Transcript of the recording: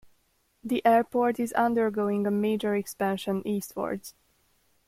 The airport is undergoing a major expansion eastwards.